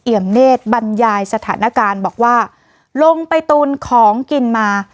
เนธบรรยายสถานการณ์บอกว่าลงไปตูนของกินมา